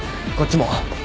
こっちも。